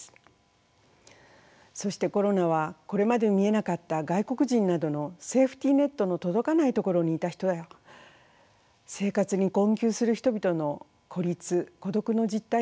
そしてコロナはこれまで見えなかった外国人などのセーフティーネットの届かないところにいた人や生活に困窮する人々の孤立孤独の実態も浮き彫りにしました。